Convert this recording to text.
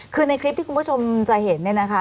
คือในคลิปที่คุณผู้ชมจะเห็นเนี่ยนะคะ